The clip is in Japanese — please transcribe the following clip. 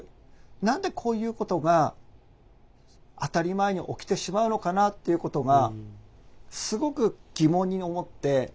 何でこういうことが当たり前に起きてしまうのかなっていうことがすごく疑問に思って。